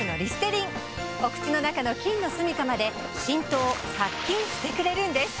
お口の中の菌のすみかまで浸透・殺菌してくれるんです。